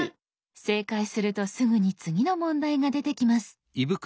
正解するとすぐに次の問題が出てきます。